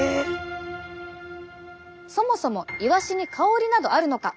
そもそもイワシに香りなどあるのか？